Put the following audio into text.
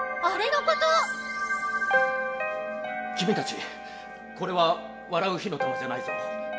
きみたちこれは「笑う火の玉」じゃないぞ。